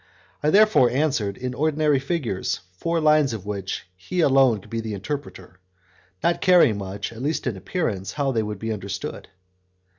I therefore answered, in ordinary figures, four lines of which he alone could be the interpreter, not caring much, at least in appearance, how they would be understood.